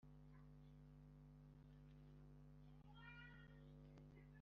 iteka rya minisitiri w intebe risezerera nta mpaka umuyobozi mukuru